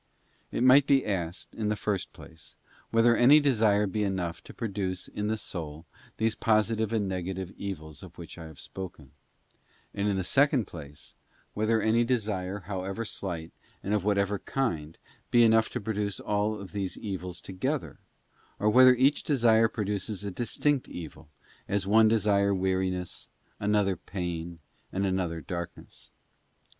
It might be asked, in the first place, whether any desire be enough to produce in the soul these positive and negative evils of which I have spoken, and, in the second place, whether any desire, however slight, and of whatever 'kind, be enough to produce all these evils together, or whether each desire produces a distinct evil, as one desire weariness, another pain, and another darkness.